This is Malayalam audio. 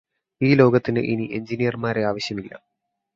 ഈ ലോകത്തിന് ഇനി എഞ്ചിനീയര്മാരെ ആവശ്യമില്ല